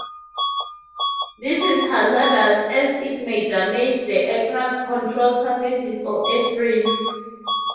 This is hazardous as it may damage the aircraft control surfaces or airframe.